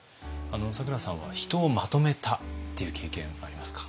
咲楽さんは人をまとめたっていう経験ありますか？